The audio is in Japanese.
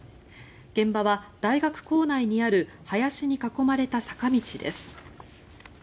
現場は大学構内にある林に囲まれた坂道です。